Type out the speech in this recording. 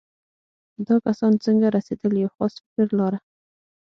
دا کسان څنګه رسېدل یو خاص فکر لاره.